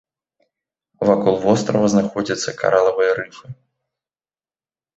Вакол вострава знаходзяцца каралавыя рыфы.